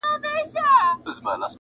د مور لپاره ښه ډیره دنیا پروردګاره